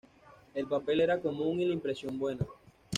El papel era común y la impresión buena.